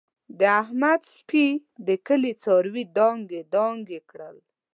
د احمد سپي د کلي څاروي دانګې دانګې کړل.